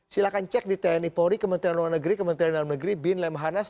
silahkan cek di tni polri kementerian luar negeri kementerian dalam negeri bin lemhanas